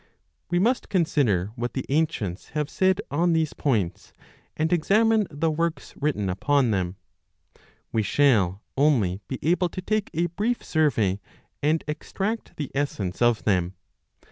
We must consider what the ancients have said on these points, 3 o and examine the works written upon them. We shall only be able to take a brief survey and extract the essence of them.